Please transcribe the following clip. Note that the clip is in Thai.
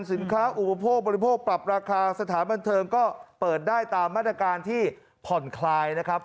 อุปโภคบริโภคปรับราคาสถานบันเทิงก็เปิดได้ตามมาตรการที่ผ่อนคลายนะครับ